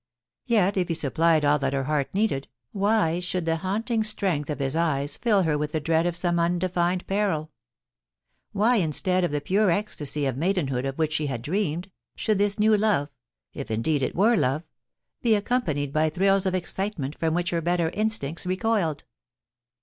Yet if he supplied all that her heart needed, why should the haunting strength of his eyes fill her with the dread of some undefined peril ? Why, instead of the pure ecstasy of maidenhood of which she had dreamed, should this new love — if indeed it were love — be accompanied by thrills of excitement from which her better instincts recoiled